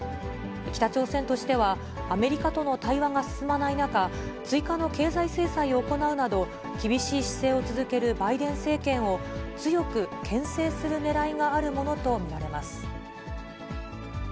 北朝鮮としては、アメリカとの対話が進まない中、追加の経済制裁を行うなど、厳しい姿勢を続けるバイデン政権を、強くけん制するねらいがあるものと見られます。